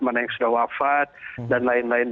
mana yang sudah wafat dan lain lain